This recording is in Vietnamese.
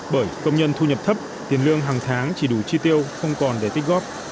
bởi công nhân thu nhập thấp tiền lương hàng tháng chỉ đủ chi tiêu không còn để tích góp